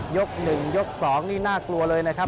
ยก๑ยก๒นี่น่ากลัวเลยนะครับ